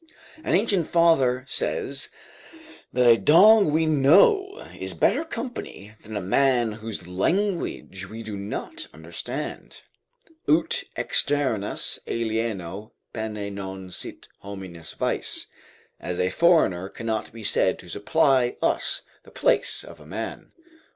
An ancient father says "that a dog we know is better company than a man whose language we do not understand." "Ut externus alieno pene non sit hominis vice." ["As a foreigner cannot be said to supply us the place of a man."